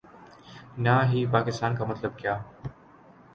نا ہی پاکستان کا مطلب کیا